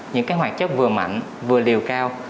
những hoạt chất vừa mạnh vừa liều cao